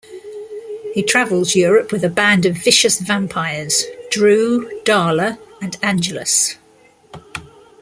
He travels Europe with a band of vicious vampires, Dru, Darla, and Angelus.